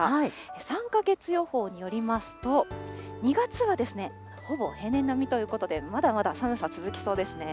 ３か月予報によりますと、２月はほぼ平年並みということで、まだまだ寒さ、続きそうですね。